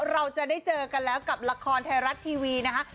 เราจะได้เจอกันแล้วกับละครไทยรัฐทีวีนะคะ